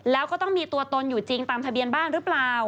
แล้วก็ต้องมีตัวตนอยู่จริงตามทะเบียนบ้านหรือเปล่า